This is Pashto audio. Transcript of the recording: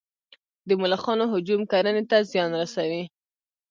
د ملخانو هجوم کرنې ته زیان رسوي؟